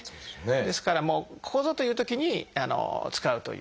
ですからもうここぞというときに使うという。